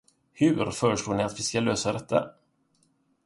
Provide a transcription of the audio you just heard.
Hur föreslår ni att vi ska lösa detta?